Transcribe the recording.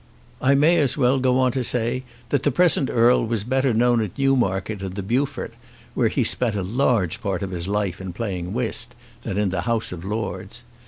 I may as well go on to say that the present Earl was better known at Newmarket and the Beaufort, where he spent a large part of his life in playing whist, than in the House of Lords.